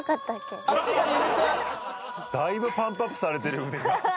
だいぶパンプアップされてる腕が。